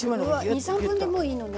２３分でもういいのね。